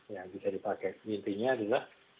yang bisa dipakai intinya adalah